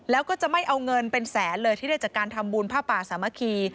แล้วก็จะไม่เอาเงินเป็นแสนเลยที่ได้จากการทำบุญผ้าป่าสามัคคี